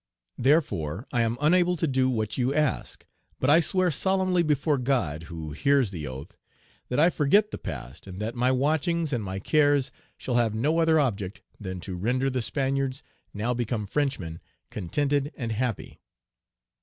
Therefore, I am unable to do what you ask; but I swear solemnly before God, who hears the oath, that I forget the past, and that my watchings and my cares shall have no other object than to render the Spaniards, now become Frenchmen, contented and happy."